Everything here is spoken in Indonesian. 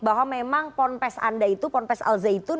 bahwa memang ponpes anda itu ponpes al zaitun